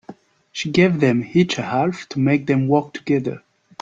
She gave them each a half to make them work together.